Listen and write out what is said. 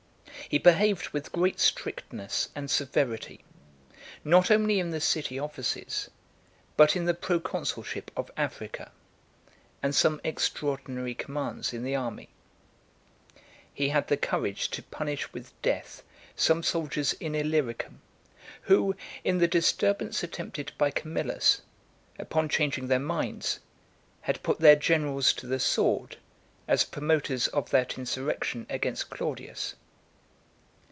He behaved with great strictness and severity, not only in the city offices, but in the pro consulship of Africa, and some extraordinary commands in the army. He had the courage to punish with death some soldiers in Illyricum, who, in the disturbance attempted by Camillus, upon changing their minds, had put their generals to the sword, as promoters of that insurrection against Claudius.